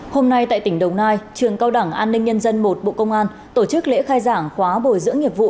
hôm nay tại tỉnh đồng nai trường cao đẳng an ninh nhân dân một bộ công an tổ chức lễ khai giảng khóa bồi dưỡng nghiệp vụ